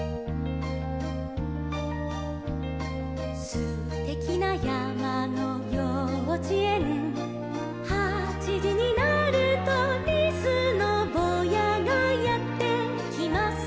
「すてきなやまのようちえん」「はちじになると」「リスのぼうやがやってきます」